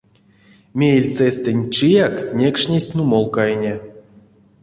Меельцестэнть чияк некшнесь нумолкайне.